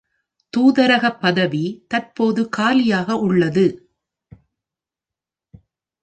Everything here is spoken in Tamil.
தூதரகப் பதவி தற்போது காலியாக உள்ளது.